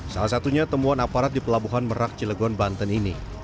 salah satunya temuan aparat di pelabuhan merak cilegon banten ini